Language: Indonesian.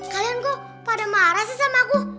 kalian kok pada marah sih sama aku